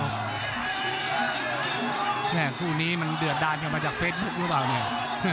แค่คู่นี้มันเดือดดานเข้ามาจากเฟสบุ๊ครึเปล่าเนี่ย